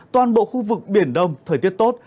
toàn bộ khu vực biển đông thời tiết tốt